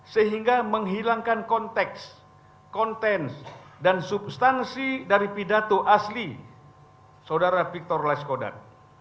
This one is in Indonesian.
sehingga menghilangkan konteks kontens dan substansi dari pidato asli saudara victor laiskodat